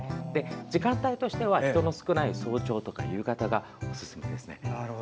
時間帯としては人の少ない早朝とか夕方がおすすめですね。